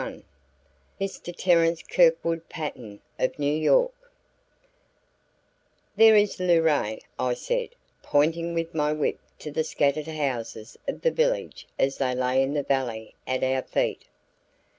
TERENCE KIRKWOOD PATTEN OF NEW YORK "There is Luray," I said, pointing with my whip to the scattered houses of the village as they lay in the valley at our feet.